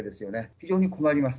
非常に困ります。